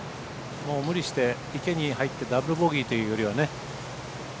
もう無理して池に入ってダブルボギーというよりはね。